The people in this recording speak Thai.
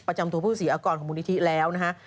ประจำตัวผู้ศรีอากรของมูลนิธิแล้วนะฮะ